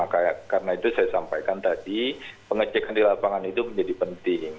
karena itu saya sampaikan tadi pengecekan di lapangan itu menjadi penting